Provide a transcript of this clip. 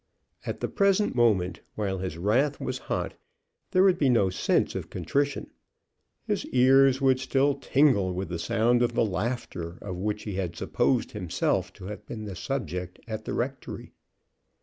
At the present moment, while his wrath was hot, there would be no sense of contrition. His ears would still tingle with the sound of the laughter of which he had supposed himself to have been the subject at the rectory.